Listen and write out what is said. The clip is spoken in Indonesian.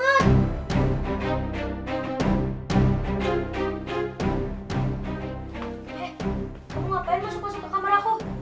eh kamu ngapain masuk masuk ke kamar aku